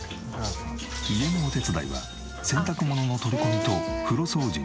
家のお手伝いは洗濯物の取り込みと風呂掃除の２つのみ。